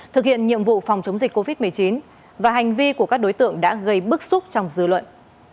thực hiện nhiệm vụ phòng chống dịch covid một mươi chín và hành vi của các đối tượng đã gây bức xúc trong dư luận